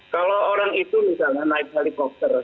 kalau orang itu misalnya naik helikopter